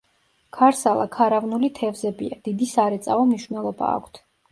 ქარსალა ქარავნული თევზებია, დიდი სარეწაო მნიშვნელობა აქვთ.